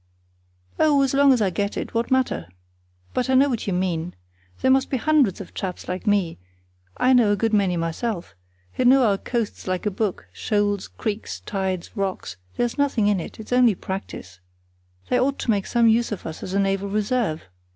"Oh, as long as I get it, what matter? But I know what you mean. There must be hundreds of chaps like me—I know a good many myself—who know our coasts like a book—shoals, creeks, tides, rocks; there's nothing in it, it's only practice. They ought to make some use of us as a naval reserve.